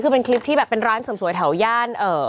คือเป็นคลิปที่เป็นแบบร้านสำสวยแถวย่าน